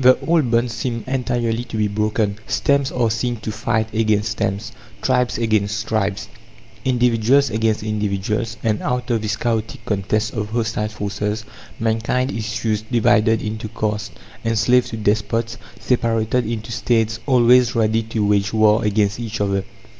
The old bonds seem entirely to be broken. Stems are seen to fight against stems, tribes against tribes, individuals against individuals; and out of this chaotic contest of hostile forces, mankind issues divided into castes, enslaved to despots, separated into States always ready to wage war against each other.